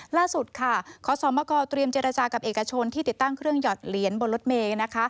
ล่าสุดค่ะขอสมกเตรียมเจรจากับเอกชนที่ติดตั้งเครื่องหยอดเหรียญบนรถเมย์นะคะ